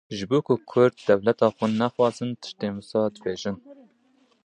Ji bo ku Kurd dewleta xwe nexwazin tiştên wisa dibêjin.